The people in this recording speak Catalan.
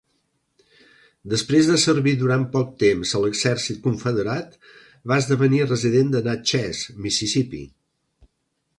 Després de servir durant poc temps a l'exèrcit confederat, va esdevenir resident de Natchez, Mississippi.